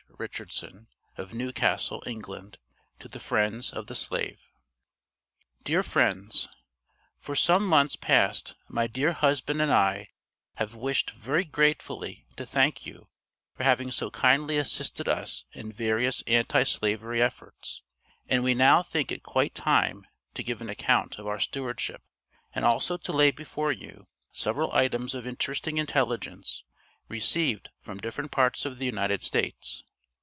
RICHARDSON, OF NEWCASTLE, ENGLAND. TO THE FRIENDS OF THE SLAVE. DEAR FRIENDS For some months past my dear husband and I have wished very gratefully to thank you for having so kindly assisted us in various Anti Slavery efforts, and we now think it quite time to give an account of our stewardship, and also to lay before you several items of interesting intelligence received from different parts of the United States.